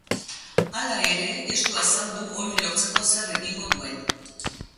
Hala ere, ez du azaldu hori lortzeko zer egingo duen.